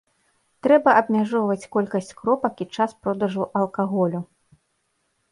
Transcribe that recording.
Трэба абмяжоўваць колькасць кропак і час продажу алкаголю.